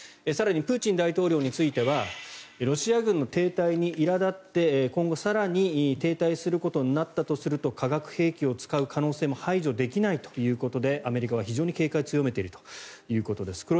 更にプーチン大統領についてはロシア軍の停滞にいら立って今後、更に停滞することになったとすると化学兵器を使う可能性も排除できないということでアメリカは非常に警戒を強めているということです。